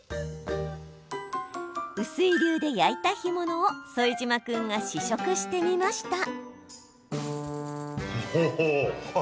うすい流で焼いた干物を副島君が試食してみました。